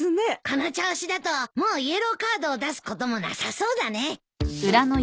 この調子だともうイエローカードを出すこともなさそうだね。